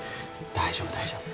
大丈夫大丈夫。